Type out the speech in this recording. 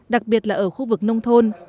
đặc biệt là ở khu vực nông thôn